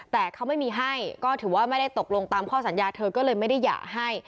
แต่เขาไม่มีให้ก็ถือว่าไม่ได้ตกลงตามข้อสัญญาเธอก็เลยไม่ได้หย่าให้